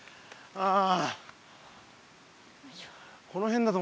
ああ。